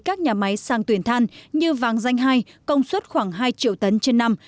các nhà máy sang tuyển than như vàng danh hai công suất khoảng hai triệu tấn trên năm